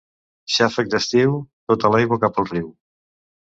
Xàfec d'estiu, tota l'aigua cap al riu.